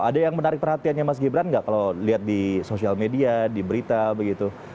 ada yang menarik perhatiannya mas gibran nggak kalau lihat di sosial media di berita begitu